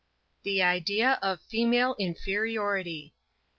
THE IDEA OF FEMALE INFERIORITY.